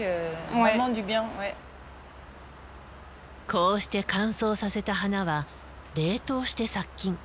こうして乾燥させた花は冷凍して殺菌。